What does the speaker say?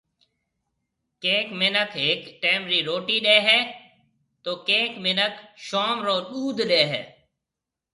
ڪئينڪ منک هيڪ ٽائيم رِي روٽي ڏيَ هيَ تو ڪئينڪ منک شوم رو ڏُوڌ ڏيَ هيَ